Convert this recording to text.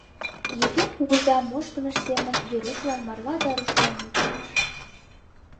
Ефим кугыза моштымыж семын Верушлан марла да рушла умылтарыш.